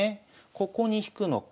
ここに引くのか